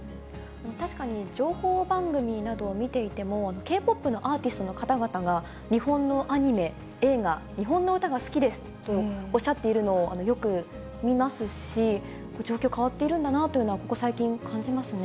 確かに情報番組などを見ていても、Ｋ−ＰＯＰのアーティストの方々が日本のアニメ、映画、日本の歌が好きですとおっしゃっているのをよく見ますし、状況、変わっているんだなというのは、ここ最近、感じますね。